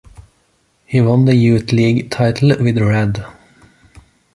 He won the youth league title with Rad.